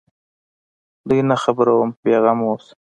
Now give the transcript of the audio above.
دوى نه خبروم بې غمه اوسه.